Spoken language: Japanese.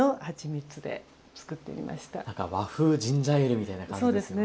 和風ジンジャーエールみたいな感じですね。